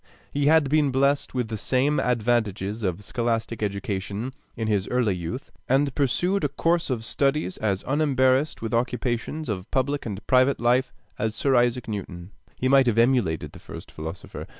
Had he been blessed with the same advantages of scholastic education in his early youth, and pursued a course of studies as unembarrassed with occupations of public and private life as Sir Isaac Newton, he might have emulated the first philosopher.